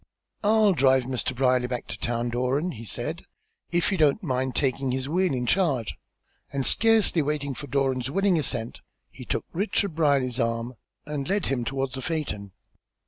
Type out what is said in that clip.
"I'll drive Mr. Brierly back to town, Doran," he said, "if you don't mind taking his wheel in charge;" and scarcely waiting for Doran's willing assent, he took Richard Brierly's arm and led him toward his phaeton.